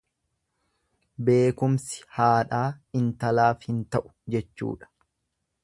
Beekumsi haadhaa intalaaf hin ta'u jechuudha.